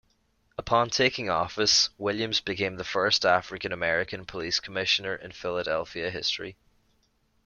Upon taking office, Williams became the first African American police commissioner in Philadelphia history.